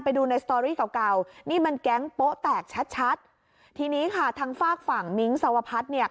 ไปดูในสตอรี่เก่าเก่านี่มันแก๊งโป๊ะแตกชัดชัดทีนี้ค่ะทางฝากฝั่งมิ้งสวพัฒน์เนี่ย